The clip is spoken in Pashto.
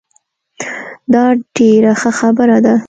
دا ډیره ښه خبره ده